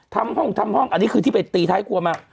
ทำห้องทำห้องอันนี้คือที่ไปตีท้ายครัวมา